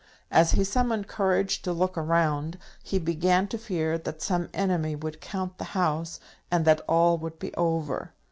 As he summoned courage to look round, he began to fear that some enemy would count the House, and that all would be over.